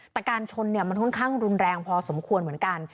แต่การชนมันค่อนข้างรุนแรงพอสมควรเหมือนกัน